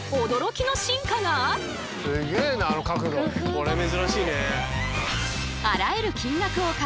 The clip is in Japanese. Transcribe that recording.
これ珍しいね。